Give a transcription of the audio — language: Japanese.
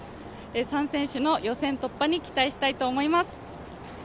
３選手の予選突破に期待したいと思います。